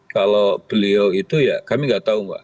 kalau beliau itu ya kami nggak tahu mbak